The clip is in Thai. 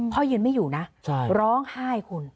ยืนไม่อยู่นะร้องไห้คุณ